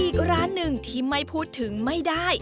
อีกร้านหนึ่งที่ไม่พูดถึงไม่ได้